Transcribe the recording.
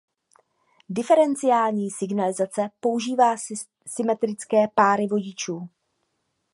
Diferenciální signalizace používá symetrické páry vodičů.